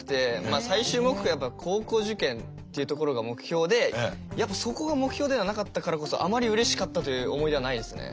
最終目標は高校受験っていうところが目標でやっぱそこが目標ではなかったからこそあまりうれしかったという思い出はないですね。